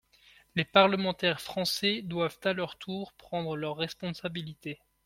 Les parlementaires français doivent à leur tour prendre leurs responsabilités.